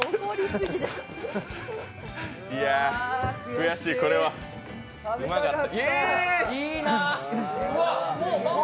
悔しい、これはうまかった。